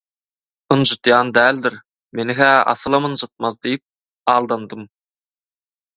ynjydýan däldir, mеni-hä asylam ynjytmaz diýip aldandym.